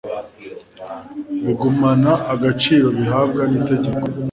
bigumana agaciro bihabwa n'itegeko